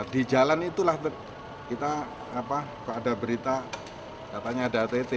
di jalan itulah kita kok ada berita katanya ada ott